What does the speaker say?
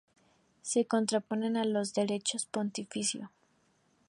Se contraponen a las de derecho pontificio.